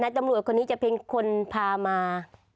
ตำรวจคนนี้จะเป็นคนพามา